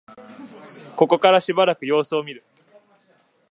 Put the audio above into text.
ここからしばらく様子を見る